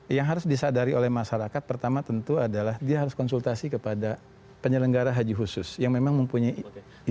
yang harus disadari oleh masyarakat pertama tentu adalah dia harus konsultasi kepada penyelenggara haji khusus yang memang mempunyai izin